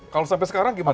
kalau sampai sekarang gimana